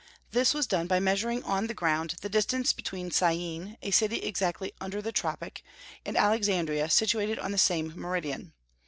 This was done by measuring on the ground the distance between Syene, a city exactly under the tropic, and Alexandria, situated on the same meridian.